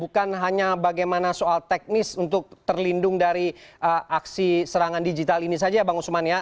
bukan hanya bagaimana soal teknis untuk terlindung dari aksi serangan digital ini saja ya bang usman ya